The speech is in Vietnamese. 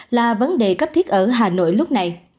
là vấn đề cấp thiết ở hà nội lúc này